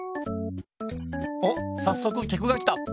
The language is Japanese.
おっさっそくきゃくが来た。